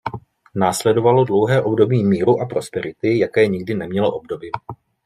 Následovalo dlouhé období míru a prosperity, jaké nikdy nemělo obdoby.